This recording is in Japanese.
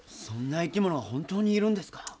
そんな生き物が本当にいるんですか？